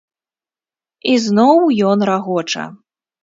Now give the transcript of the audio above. І зноў ён рагоча.